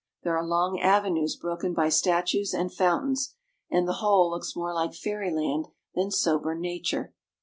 There are long avenues broken by statues and fountains, and the whole looks more like fairyland than sober nature.